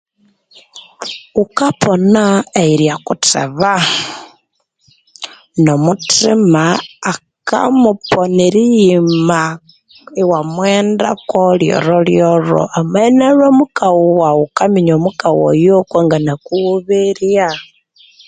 Ukapona eyilyakutheba nomuthima akamuponera iyima iwamughendako lyolholyolho amabya inialhwe mukawu wawu ukaminya omukaghu oyo kwanganakughuberya